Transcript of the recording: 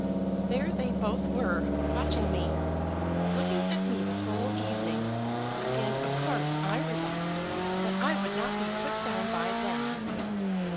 "There they both were watching me, looking at me the whole evening; and, of course, I resolved that I would not be put down by them."